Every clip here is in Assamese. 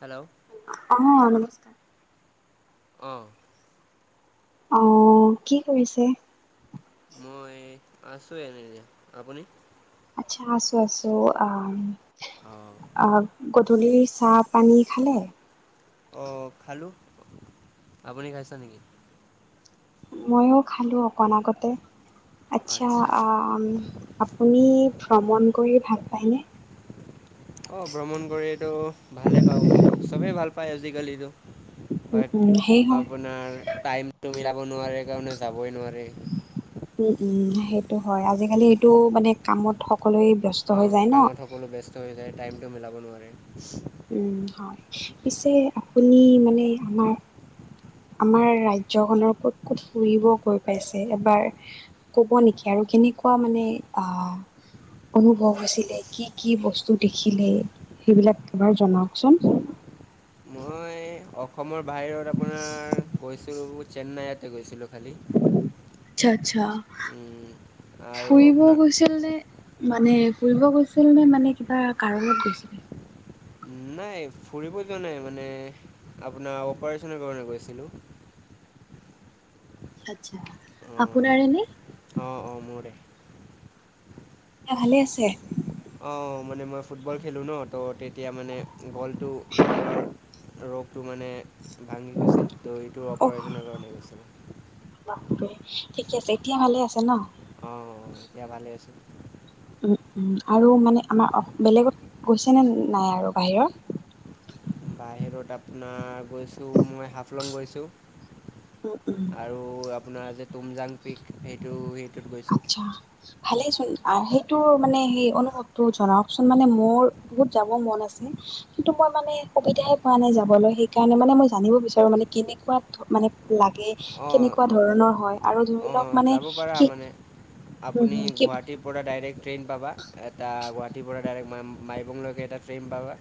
হেল্ল' অ নমস্কাৰ অঁ। আহ কি কৰিছে। মই আছোৱেনে এতিয়া আপুনি। আচ্ছা আছো আছো। অঁ গধূলিৰ চাহ পানী খালে? অ খালোঁ আপুনি খাইছে নেকি? ময়ো খালো অকণ আগতে। আচ্ছা আপুনি ভ্ৰমণ কৰি ভাল। পাইনে? অ ভ্ৰমণ কৰিটো ভালে পাও মানে চবেই ভাল পায় আজিকালিতো। উম হয় উম সেই হয় আপোনাৰ। নোৱাৰে কাৰণে চাবই নোৱাৰে। উম উম সেইটো হয় আজিকালি এইটো মানে কামত সকলোৱে ব্যস্ত হৈ অঁ যায় ন। কামত সকলো ব্যস্ত হৈ টাইমটো মিলাব নোৱাৰে। উম হয় পিছে আপুনি মানে আমাৰ। আমাৰ ৰাজ্যখনৰ ক'ত ক'ত ফুৰিব গৈ পাইছে এবাৰ কব নেকি আৰু। কেনেকুৱা মানে অ। অনুভৱ আছিলে কি কি বস্তু দেখিলে সেইবিলাক এবাৰ জনাওকচোন। [unintelligible] মই অসমৰ বাহিৰত আপোনাৰ গৈছিলোঁ চেন্নাইতে গৈছিলোঁ খালী। আচ্ছা আচ্ছা আৰু ফুৰিব আপোনাৰ গৈছিল নে মানে। ফুৰিব গৈছিল নে মানে কিবা কাৰনত গৈছিলে। নাই ফুৰিব যোৱা নাই মানে আপোনাৰ অপাৰেচেনৰ কাৰণে গৈছিলো। [unintelligible] আচ্ছা আপোনাৰে নে। অঁ অঁ মৰে। এতিয়া ভালে আছে অ মানে মই ফুটবল খেলোঁ ন ত' তেতিয়া মানে গলটো গলৰ। ৰোগটো মানে ভাঙি গৈছিল ত' এইটো অহ অপাৰেশ্যনৰ কাৰণে গৈছিলো। ঠিকে আছে এতিয়া ভালে আছে ন। অ এতিয়া ভালেই আছোঁ। আৰু মানে আমাৰ বেলেগত গৈছেনে নাই আৰু বাহিৰত। বাহিৰত আপোনাৰ গৈছোঁ মই হাফলং গৈছোঁ। উ। আৰু আপোনাৰ যে তুমজাং পিক, সেইটো- সেইটোত গৈছোঁ। অ' সেইটোৰ মানে সেই অনুভৱটো জনাওঁকচোন। মানে মোৰ বহুত যাব মন আছে। কিন্তু মই মানে সুবিধাই পোৱা নাই যাবলৈ। সেইকাৰণে মানে মই জানিব বিচাৰোঁ, মানে কেনেকুৱা মানে লাগে, কেনেকুৱা ধৰণৰ হয়। আৰু ধৰি লওঁক অ' যাব পাৰা মানে। আপুনি হুম কি গুৱাহাটীৰ পৰা ডাইৰেক্ট ট্ৰেইন পাবা। এটা গুৱাহাটীৰ পৰা ডাইৰেক্ট মা- মাইবংলৈকে এটা ট্ৰেইন পাবা।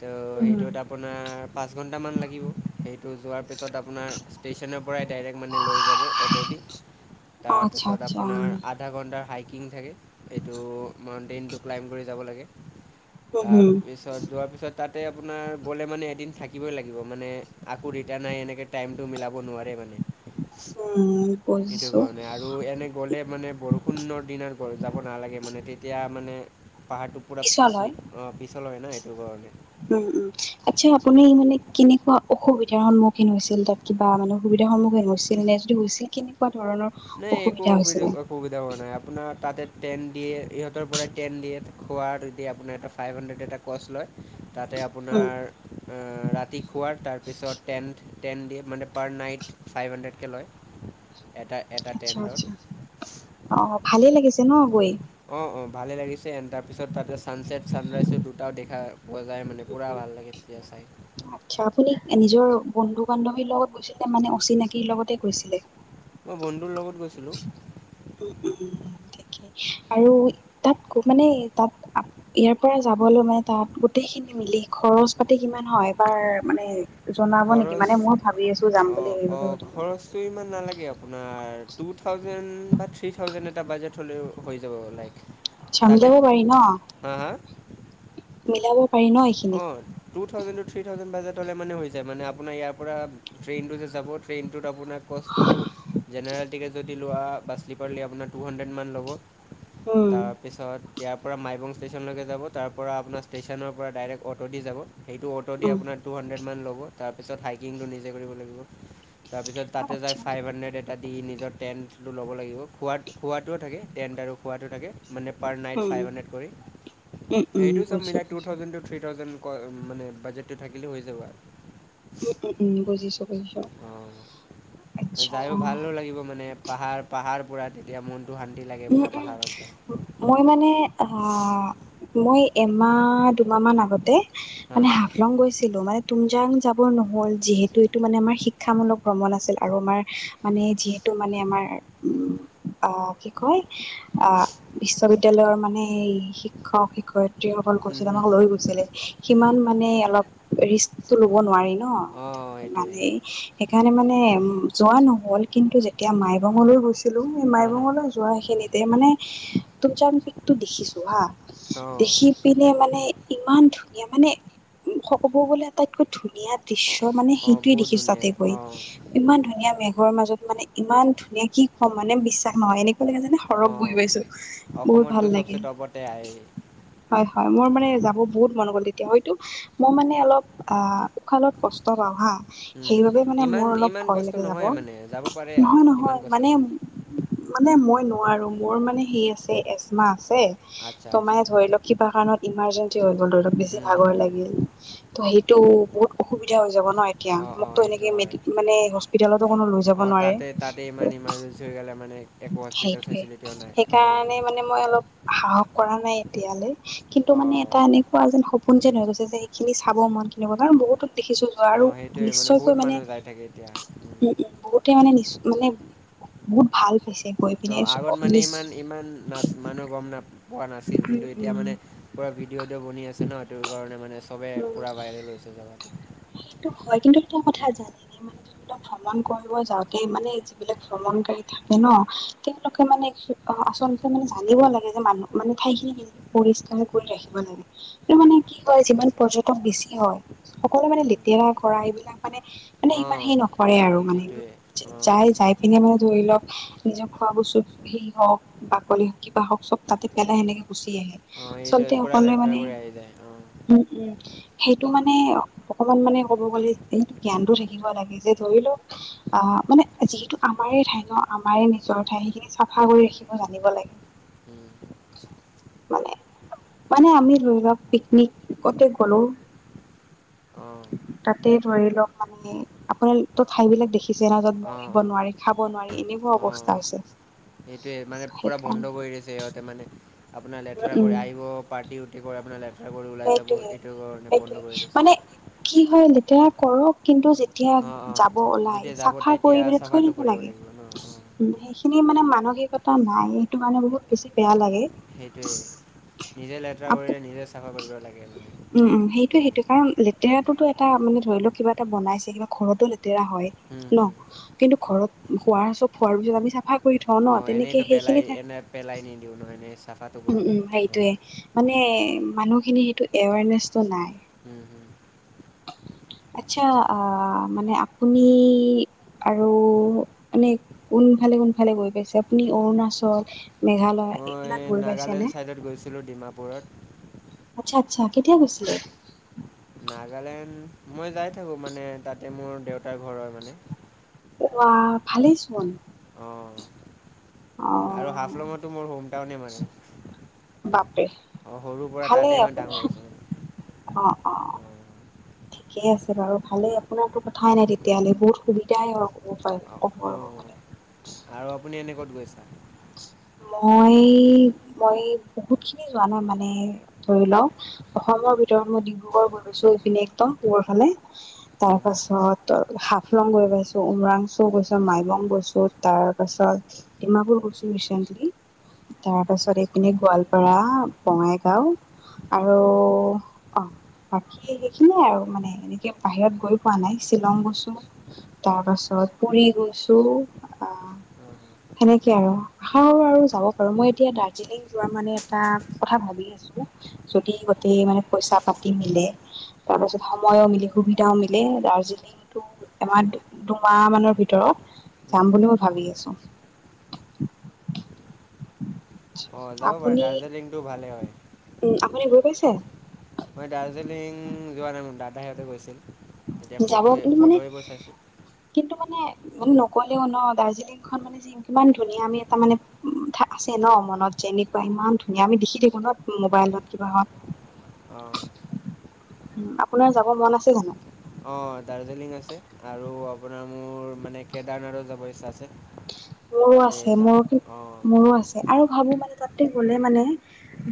ত' হুম হুম সেইটোত আপোনাৰ পাঁচ ঘন্টামান লাগিব সেইটো যোৱাৰ পিছত আপোনাৰ ষ্টেচন ৰ পৰাই ডাইৰেক্ট মানে লৈ যাব, অ'টো দি। অ আচ্ছা তাৰপিছত আচ্ছা আপোনাৰ আধা ঘণ্টাৰ হাইকিং থাকে। এইটো ট্ৰেইনটো ক্লাইম কৰি যাব লাগে। হুম হুম তাৰপিছত যোৱাৰ পিছত তাতে আপোনাৰ গ'লে মানে, এদিন থাকিবই লাগিব। মানে আকৌ ৰিটাৰ্ণাই এনেকে টাইমটো মিলাব নোৱাৰে মানে। উম, বুজিছোঁ। মানে আৰু এনে গ'লে মানে বৰষুণৰ দিনত গ- যাব নালাগে মানে। তেতিয়া মানে পাহাৰটো পুৰা পিছল হয় চ্লিপ- অ' পিছল হয় ন', সেইটো উম উম আচ্ছা কাৰণে। আপুনি মানে কেনেকুৱা অসুবিধাৰ সন্মুখীন হৈছিল? তাত কিবা মানে অসুবিধাৰ সন্মুখীন হৈছিল নে? যদি হৈছিল, কেনেকুৱা ধৰণৰ নাই, একো অসুবিধা হৈছিলে অসু- অসুবিধা হোৱা নাই। আপোনাৰ তাতে টেন দিয়ে। ইহঁতৰ পৰাই টেন দিয়ে। খোৱাটো এতিয়া আপোনাৰ এটা ফাইভ হাণ্ড্ৰেড এটা ক'ষ্ট লয়। তাতে উম আপোনাৰ অ'- ৰাতি খোৱাৰ, তাৰপিছত টেন্ট টেন দিয়ে, মানে পাৰ নাইট ফাইভ হাণ্ড্ৰেডকৈ লয়। এটা এটা আচ্ছা - টেণ্টত আচ্ছা। অ' ভালেই লাগিছে ন', গৈ? অ' - অ', ভালে লাগিছে। এন তাৰপিছত তাতে ছানছেট ছানৰাইছৰ দুটাও দেখা পোৱা যায় মানে, পুৰা ভাল লাগে তেতিয়া আচ্ছা আপুনি চাই। নিজৰ বন্ধু-বান্ধৱীৰ লগত গৈছিল নে? মানে অচিনাকিৰ লগতে গৈছিলে? মই বন্ধুৰ লগত গৈছিলোঁ, উম - উম - উম ঠি কে। আৰু তাত গ- মানে, তাত আ- ইয়াৰ পৰা যাবলৈ মানে তাত গোটেইখিন মিলি খৰচ পাতি কিমান হয়? এবাৰ মানে জনাব নেকি খৰচ মানে মই ভাবি আছো যাম বুলি অ' - সেইবাবে অ', সুধিলো খৰচটো ইমান নালাগে আপোনাৰ। টু থাউজেণ্ড বা থ্ৰী থাউজেণ্ড এটা বাজেট হ'লেও হৈ যাব, লাইক আচ্ছা, তাতে মিলাব পাৰি ন'? হা হা মিলাব পাৰি ন এইখিনিত অ' টু থাউজেণ্ডত থ্ৰী থাউজেণ্ড বাজেট হ'লে মানে হৈ যায়। মানে আপোনাৰ ইয়াৰ পৰা ট্ৰেইনটো যে যাব, ট্ৰেইনটোত আপোনাৰ ক'ষ্টটো জেনেৰেল টিকেট যদি লোৱা বা স্লিপাৰ লে আপোনাৰ টু হানড্ৰেত মান ল'ব। উম তাৰপিছত ইয়াৰ পৰা মাইবং ষ্টেচনলৈকে যাব। তাৰ পৰা আপোনাৰ ষ্টেচনৰ পৰা ডাইৰেক্ট অ'টো দি যাব। সেইটো অ'টোদি উম আপোনাৰ টু হানড্ৰেত মান ল'ব। তাৰপিছত হাইকিংটো নিজে কৰিব লাগিব। তাৰপিছত তাতে যাই আচ্ছা ফাইভ হানড্ৰেট এটা দি নিজৰ টেণ্টটো ল'ব লাগিব। খোৱা- খোৱাটোও থাকে, টেণ্ট আৰু খোৱাটো থাকে। মানে per night um five hundred কৰি। উম উম সেইটো চব বুজিছো মিলাই টু টু বুজিছো উম থাউজেণ্ড টু থ্ৰী থাউজেণ্ডকৈ মানে বাজেটটো থাকিলে হৈ যাব আৰু। উম - উম - উম, বুজিছোঁ - বুজিছোঁ। অঁ যায়ো ভালো লাগিব মানে, পাহাৰ- পাহাৰ পুৰা তেতিয়া মোন উম - উম, মই মানে অ'- মই এমাহ দুমাহমান আগতে হাঁ মানে হাঁ হাফলং গৈছিলোঁ। মানে তুমজাং যাম নহ'ল, যিহেতু এইটো মানে আমাৰ শিক্ষামূলক ভ্ৰমণ আছিল আৰু আমাৰ মানে যিহেতু মানে আমাৰ উম আ- কি কয়, অ' বিশ্ববিদ্যালয়ৰ মানে শিক্ষক-শিক্ষয়্ যিসকল গৈছিলে আমাক লৈ গৈছিলে, সিমান মানে অলপ ৰিস্কটো ল'ব নোৱাৰি ন'। অঁ সেইটোৱে মানে, সেইকাৰণে মানে উম যোৱা নহ'ল। কিন্তু তিয়া মাইবঙলৈ গৈছিলোঁ। সেই হা হা মাইবঙলৈ যোৱা সেই তে মানে তুমজাং পিকটো দেখিছোঁ, হা। অ', দেখি পিনে মানে ইমান ধুনীয়া মানে ক'ব গলে আটাইতকৈ ধুনীয়া দৃশ্য অ', মানে অ', সেইটোৱে বহুত দেখিছো ধুনীয়া তাতে গৈ অ', ইমান ধুনীয়া। মেঘৰ মাজত মানে ইমান ধুনীয়া কি কম মানে বিশ্বাস নহয় এনে। কেনেকে যেনে সৰগ গৈ অ', পাইছো বহুত অসমততো ভাল চবচে লাগিল। টপতে আহেই হয় হয় মোৰ মানে অ', যাব বহুত মন গ'ল তেতিয়া হয়তো মই মানে অলপ আহ উশাহত কষ্ট পাওঁ হা উম, হুম, সেইবাবে মানে ইমান মোৰ অলপ ইমান ভয় কষ্ট লাগে যাব। নহয় মানে যাব পাৰে আৰ নহয় নহয় ইমান কষ্ট মানে নহয়? মানে মই নোৱাৰো মোৰ মানে সেই আছে এজমা। ছে, আচ্ছা ত আচ্ছা মানে ধৰি লওক কিবা কাৰণত ইমাৰজেঞ্চি হৈ গল ধৰি লওক বেছি হুম, হুম, ভাগৰ হুম, লাগিল। সেইটো বহুত অসুবিধা হৈ যাব ন এতিয়া অ', মোক অ', তো এইটো এনেকে হয় মানে হস্পিটালতো কোনো লৈ যাব অ', নোৱাৰে। তাতে তাতে ইমান ইমাৰ্জেঞ্চি হৈ গ'লে মানে এক। সেইটোৱে সেইকাৰণে মানে মই অলপ সাহস কৰা নাই এতিয়ালৈ। কিন্তু মানে অ', এটা এনেকুৱা যেন সপোন যেন হৈ গৈছে যে সেইখিনি চাব মন কিনিব কাৰণ বহুত। দেখিছো যোৱাৰো অ', সেইটোৱে নিশ্চয়কৈ বহুত মানে মানুহ যাই থাকে এতিয়া উম উম বহুত। মানে নিচ মানে বহুত ভাল। পাইছে গৈ পিনে অ নিচ আগত মানে ইমান ইমান না মানুহে গম ন পোৱা নাছিল কিন্তু উম এতিয়া উম মানে। পুৰা ভিডিঅ' অদি বনি আছে ন সেইটো কাৰণে মানে চবে উম পুৰা ভাইৰেল হৈছে জগা। সেইটো। হয় কিন্তু সটা কথা জানে ন মানে যিবিলাক ভ্ৰমণ কৰিব যাওঁতে মানে যিবিলাক ভ্ৰমণকাৰী থাক। ন তেওঁলোকে মানে আচলতে মানে জানিব লাগ- যে মানুহ মানে ঠাই খিনি কেনেকে পৰিষ্কাৰ কৰি ৰাখিব লাগে এইটো মানে কি হয় যিমান পৰ্যটক বেছ- কি হয় সকলোৱো মানে লেতেৰা কৰা এইবিলাক। মানে মানে ইমান অঁ সেই নকৰে আৰু মানে সেইটোৱে অঁ যাই যাই পিনে মানে ধৰি লওক। নিজৰ খোৱা বস্তুত সেই হওক বাকলি। কিবা হওক চব তাতে পেলাই সেনেকে গুচি আহে অঁ এইটোৱে আচলতে পূৰা সকলোৱে লেতেৰা মানে কৰি আহি যায় অঁ উম উম সেইটো মানে অকমান মানে ক'ব গ'লে এইটো জ্ঞানতো থাকিব লাগে যে ধৰি লওক আহ মানে যি, টো আমাৰে ঠাই ন আমাৰে নিজৰ ঠাই। চাফা উম, কৰি উম, ৰাখিব জানিব লাগে। উম। মানে মানে আমি ধৰি লওক পিকনিকতে গ'লো। অঁ তাতে ধৰি লওক মানে আপোনাৰ ত ঠাই বিলাক দেখি। কিচে নাজত বহিব নোৱাৰি খাব নোৱাৰি এনে। অ সেইটোৱে মানে পূৰা সেইকাৰণে বন্ধ কৰি দিছে সিহঁতে মানে আপোনাৰ লেতেৰা উম উম কৰি আহিব পাৰ্টি। আপোনাৰ লেটাৰ কৰি ওলাই যাব সেইটোৱে এইটো কাৰণে বন্ধ কৰি দিছোঁ। তেতিয়া কৰক কিন্তু যেতিয়া অঁ যাব ওলাই যেতিয়া যাব চাফা তেতিয়া কৰি পিনে থৈ চাফাটো দিব কৰিব লাগে। লাগিব ন অঁ সেইখিনি মানে মানসিকতা নাই সেইটো মানে বহুত বেছি বেয়া লাগে। সেইটোৱে নিজে লেতেৰা আপু কৰিলে নিজে। চাফা কৰিব লাগে মানে উম উম সেইটোয়ে সেইটো কাৰণ লেতেৰাটোতো এটা মানে ধৰি লও কিবা এটানাইছে কিবা ঘৰতো। ৰা হয় ন কিন্তু ঘৰত খোৱা চব খোৱাৰ পিছত আমি চাফা কৰি থওঁ ন অঁ তেনেকে এনেইতো সেই। পেলাই এনে পেলাই নিদিওঁ নহয়নে চাফাটো উম, কৰো। মানুহখিনিৰ সেইটো এৱৰনেছটো নাই হুম হুম [unintelligible] আচ্ছা অ মানে আপুনি আৰু মানে কোন কোনফালে কোনফালে গৈ পাইছে আপুনি অৰুণাচল? মেঘালয় মই এইবিলাক গৈ পাইছে নাগালেণ্ড নে? ছাইডত গৈছিলোঁ ডিমাপুৰত আচ্ছা আচ্ছা কেতিয়া গৈছিলে। উ মই যাই থাকো মানে তাতে মোৰ দেউতাৰ ঘৰৰ মানে। অ ভালেই চন। অ আৰু হাফলঙতো মোৰ হোম টাউনে মানে বাপ ৰে অঁ সৰুৰ পৰা ভালেই তাতেই মই ডাঙৰ হৈছোঁ মানে আপোনাৰ অ অ। অঁ ঠিকেই আছে বাৰু ভালে আপোনাৰতো কথাই নাই তেতিয়াহলে বহুত সুবিধাই অঁ অঁ হ আৰু [unintelligible] আপুনি এনে ক'ত গৈছা [unintelligible] মই মই বহুত খিনি যোৱা নাই মানে ধৰি লওক অসমৰ ভিতৰত মই ডিব্ৰুগড় গৈ পাইছো এইপিনে একদম মোৰৰ ফালে। তাৰ হুম হুম পাছত হাফলং গৈ পাইছো উমৰাংচো গৈছো। তাৰছত মাইবং গৈছো তাৰ পাছত ডিমাবোৰ গৈছো ৰিচেন্টলি। তাৰ পাছত এইপিনে গোৱালপাৰা বঙাইগাও। আৰু অ বাকী সেইখিনিয়ে আৰু মানে এনেকে বাহিৰত গৈ পোৱা নাই শ্বিলং গৈছো তাৰ পাছত পুৰি গৈছো আহ সেনেকে আৰু আৰু আৰু যাব পাৰো মই এতিয়া দাৰ্জিলিং যোৱা মানে এটা কথা ভাবি আছো যদি ত মানে পইচা পাতি মিলে তাৰ পাছত সময়ো মিলে সুবিধাও মিলে দাৰ্জিলিংটো এমাহ দুমাহ মানৰ ভিতৰত হুম যাম হুম বুলি মই ভাবি আছো অ যাব পাৰে আপুনি দাৰ্জিলিং টো ভালে হয়। উম আপুনি গৈ পাইছে? মই দাৰ্জিলিং যোৱা নাই মোৰ দাদাহঁতে গৈছিল তেতিয়া যাব ফটো কিন্তু মানে ফটো এইবোৰ চাইছোঁ কিন্তু মানে মানে নকলেও ন দাৰ্জিলিং খন মানে কিমান ধুনীয়া আমি এটা মানে আছে ন মনত যেনেকোৱা ইমান ধুনীয়া আমি দেখি থাকো ন মোবাইলত কিবাহত। অ আপোনাৰ যাব মন আছে জানো অ দাৰ্জিলিং আছে আৰু আপোনাৰ মোৰ মানে কেদাৰনাথো যাব ইচ্ছা আছে। মোৰো তাতে আছে যাম মোৰ অঁ মোৰো আছে আৰু ভাবো মানে তাত। গলে মানে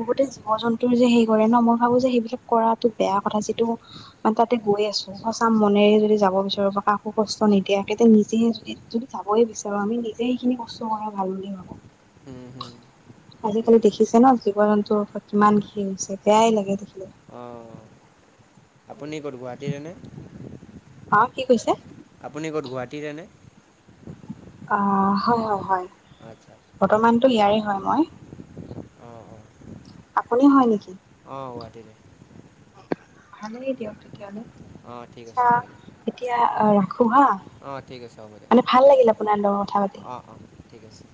বহুতে জীৱ জন্তুৰ যে সেই কৰে ন মই ভাবো যে সেইবিলাক কৰাটো বেয়া কথা যিটো মানে তাতে গৈ আছো সঁচা মনেৰে যদি যাব বিচাৰো বা কাকো কষ্ট নিদিয়া কেতিয়া নিজে যদি যাবই বিচাৰো আমি নিজে সেইখিনি কষ্ট কৰা ভাল বুলি হুম হুম ভাবো সেইটোৱে আজিকালি দেখিছে ন জীৱ জন্তুৰ ওৰত কিমান কি হৈছে বেয়াই লাগে দেখিলে। অ। আপুনি ক'ত গুৱাহাটীৰেনে? অ কি কৈছে। আপুনি ক'ত গুৱাহাটীৰেনে? অ হয় হয় হয় আচ্ছা আচ্ছা। বৰ্তমানতো ইয়াৰে আপুনি হয় নেকি অ গুৱাহাটীৰে ভাল দিয়ক তেতিয়াহলে অঁ ঠিক আছে ছা হ'ব দিয়ক এতিয়া আহ খুহা অঁ ঠিক আছে হ'ব দে মানে ভাল লাগিল আপোনাৰ লগৰ কথা পাতি। অঁ অঁ ঠিক আছে